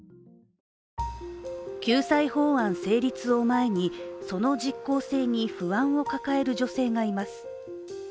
救済法案成立を前にその実効性に不安を抱える女性がいます。